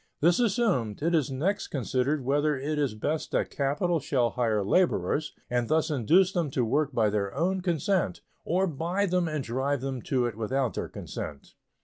This assumed, it is next considered whether it is best that capital shall hire laborers, and thus induce them to work by their own consent, or buy them and drive them to it without their consent.